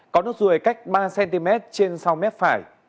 có nốt ruồi cách ba cm trên sau mép phải